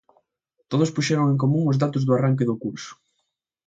Todos puxeron en común os datos do arranque do curso.